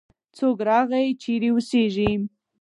څوک راغی؟ چیرې اوسیږې؟